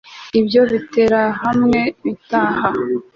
ibyo biterahamwe bitaha